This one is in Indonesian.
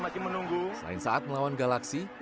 selain saat melawan galaksi